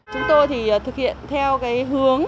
chúng tôi thì thực hiện theo cái hướng